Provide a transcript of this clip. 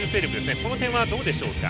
この点はどうでしょうか？